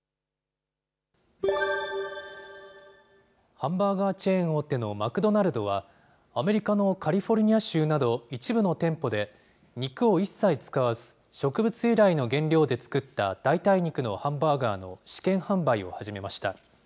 ハンバーガーチェーン大手のマクドナルドは、アメリカのカリフォルニア州など一部の店舗で、肉を一切使わず、植物由来の原料で作った代替肉のハンバーガーの試験販売を始めました。